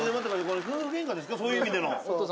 これそういう意味での。